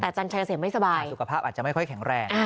แต่จันชัยเกษมไม่สบายสุขภาพอาจจะไม่ค่อยแข็งแรง